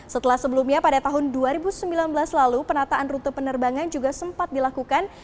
setelah sebelumnya pada tahun dua ribu sembilan belas lalu penataan rute penerbangan juga sempat dilakukan